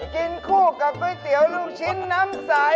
กินคู่กับก๋วยเตี๋ยวลูกชิ้นน้ำใส